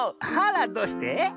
あらどうして？